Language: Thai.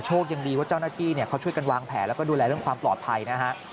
ยังดีว่าเจ้าหน้าที่เขาช่วยกันวางแผนแล้วก็ดูแลเรื่องความปลอดภัยนะฮะ